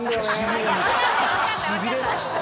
しびれましたよ。